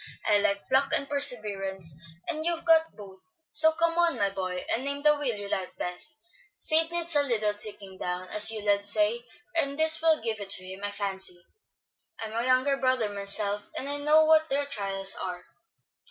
I like pluck and perseverance, and you've got both; so come on, my boy, and name the wheel you like best. Sid needs a little taking down, as you lads say, and this will give it to him, I fancy. I'm a younger brother myself, and I know what their trials are."